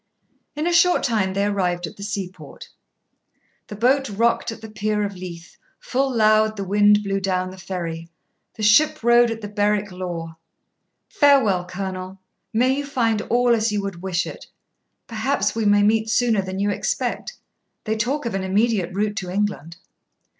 In a short time they arrived at the seaport. The boat rock'd at the pier of Leith, Full loud the wind blew down the ferry; The ship rode at the Berwick Law. 'Farewell, Colonel; may you find all as you would wish it! Perhaps we may meet sooner than you expect; they talk of an immediate route to England.'